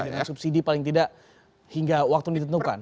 pertamina subsidi paling tidak hingga waktu ditentukan